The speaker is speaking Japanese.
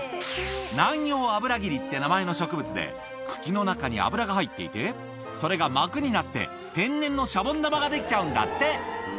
ナンヨウアブラギリって名前の植物で、茎の中に油が入っていて、それが膜になって天然のシャボン玉が出来ちゃうんだって。